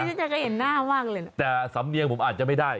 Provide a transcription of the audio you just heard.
ฉันจะเห็นหน้ามากเลยนะแต่สำเนียงผมอาจจะไม่ได้